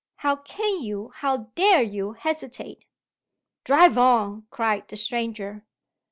"How can you, how dare you, hesitate?" "Drive on!" cried the stranger.